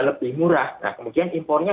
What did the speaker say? lebih murah nah kemudian impornya